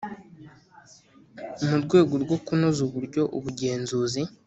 Mu rwego rwo kunoza uburyo ubugenzuzi